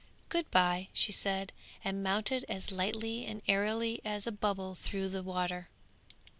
'Good bye,' she said, and mounted as lightly and airily as a bubble through the water.